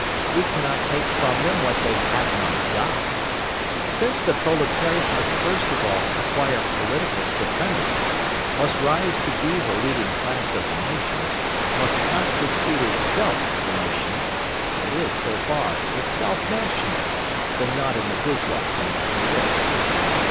We cannot take from them what they have not got. Since the proletariat must first of all acquire political supremacy, must rise to be the leading class of the nation, must constitute itself the nation, it is, so far, itself national, though not in the bourgeois sense of the word.